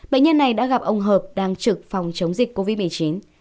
bệnh nhân này đã gặp ông hợp đang trực phòng chống dịch covid một mươi chín